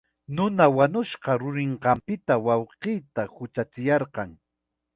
Nuna wañushqa yurinqanpita wawqiita huchachiyarqan.